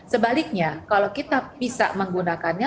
sebaliknya kalau kita bisa menggunakannya